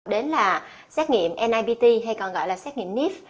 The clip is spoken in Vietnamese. đến là xét nghiệm nipt hay còn gọi là xét nghiệm nif